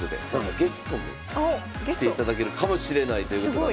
ゲストも来ていただけるかもしれないということなんで。